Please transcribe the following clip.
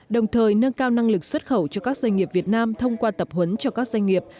đồng thời nâng cao năng lực xuất khẩu cho các doanh nghiệp việt nam thông qua tập huấn cho các doanh nghiệp